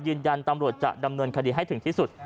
ยืนยันตำรวจจะดำเนินคดีให้ถึงที่สุด